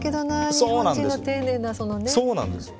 そうなんですよね。